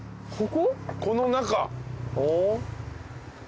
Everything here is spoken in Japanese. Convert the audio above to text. この中。